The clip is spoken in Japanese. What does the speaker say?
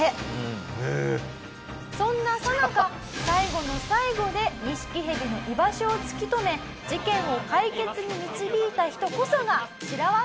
そんなさなか最後の最後でニシキヘビの居場所を突き止め事件を解決に導いた人こそがシラワさんなんです。